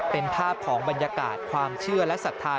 เป็นภาพของบรรยากาศความเชื่อและศรัทธา